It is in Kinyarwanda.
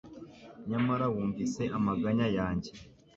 Nyamara wumvise amaganya yanjye